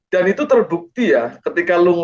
dan itu terbukti ya ketika lu ngomong itu